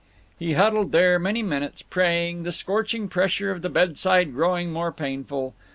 He huddled there many minutes, praying, the scorching pressure of the bedside growing more painful.